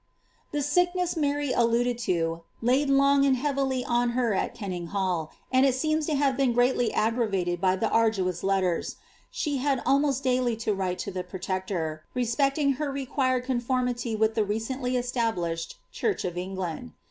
* e sickness Mary alluded to, laid long and heavily on her at Ken all, and it seeros to have been greatly aggravated by the arduous s, she had almost daily to write to the protector, respecting her red conformity with the recently established church of England.